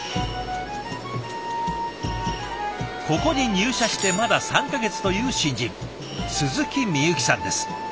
ここに入社してまだ３か月という新人鈴木深友紀さんです。